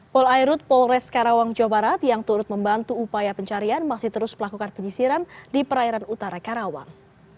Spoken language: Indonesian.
polairut polres karawang jawa barat yang turut membantu upaya pencarian masih terus melakukan penyisiran di perairan utara karawang